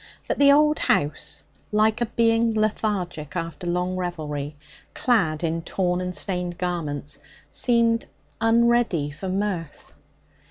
But the old house, like a being lethargic after long revelry, clad in torn and stained garments, seemed unready for mirth.